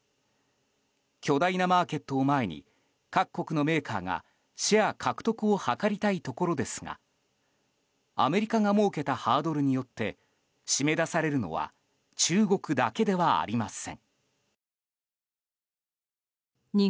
巨大なマーケットを前に各国のメーカーがシェア獲得を図りたいところですがアメリカが設けたハードルによって締め出されるのは中国だけではありません。